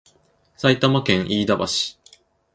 埼玉県飯田橋